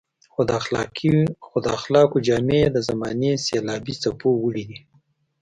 خو د اخلاقو جامې يې د زمانې سېلابي څپو وړي دي.